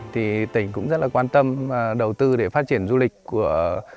thì tỉnh cũng rất là quan tâm đầu tư để phát triển du lịch của